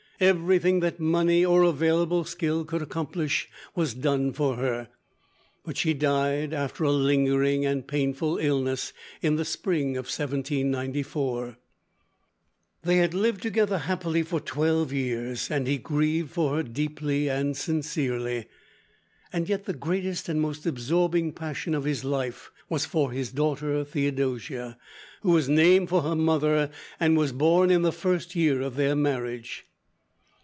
Everything that money or available skill could accomplish was done for her, but she died after a lingering and painful illness, in the spring of 1794. They had lived together happily for twelve years, and he grieved for her deeply and sincerely. Yet the greatest and most absorbing passion of his life was for his daughter, Theodosia, who was named for her mother and was born in the first year of their marriage.